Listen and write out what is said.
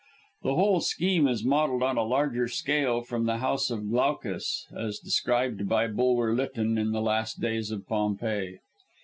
The whole scheme is modelled on a larger scale from the House of Glaucus, as described by Bulwer Lytton in "The Last Days of Pompeii."